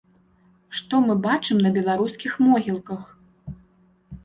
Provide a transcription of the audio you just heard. Што мы бачым на беларускіх могілках?